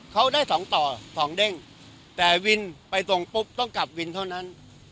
เขาได้สองต่อสองเด้งแต่วินไปตรงปุ๊บต้องกลับวินเท่านั้น